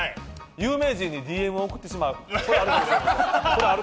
有名人にＤＭ送ってしまう。